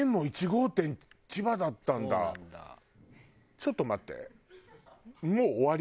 ちょっと待って。